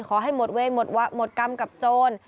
ขอให้หมดเวรหมดกรรมกับโจร